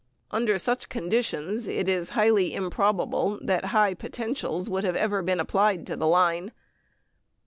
Under such conditions, it is highly improbable that high potentials would have ever been applied to the line.